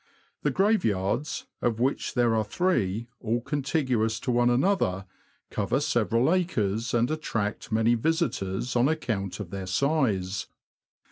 The graveyards, of which there are three, all contiguous to one another, cover several acres, and attract many visitors, on account of their size.